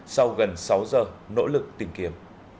sau gần sáu giờ nỗ lực tìm kiếm